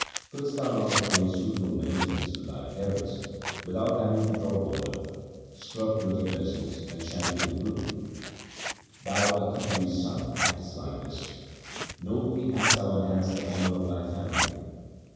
Couldst thou not obtain suitable maintenance with thy parents without having to draw water, scrub dirty vessels, and shampoo the Guru ? Thou a Khatri's son actest like this. Nobly hast thou enhanced the honour of thy family